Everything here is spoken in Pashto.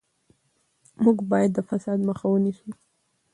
موږ باید د فساد مخه ونیسو.